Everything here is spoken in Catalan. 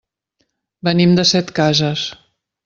Venim de Setcases.